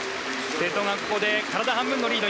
瀬戸が体半分のリード。